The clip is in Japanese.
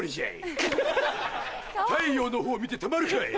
太陽の方見てたまるかい。